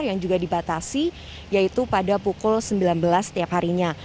yang juga dibatasi yaitu pada pukul sembilan belas setiap harinya